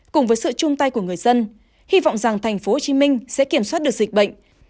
cùng với sự chung tay của người dân hy vọng rằng tp hcm sẽ kiểm soát được dịch bệnh